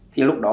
thì lúc đó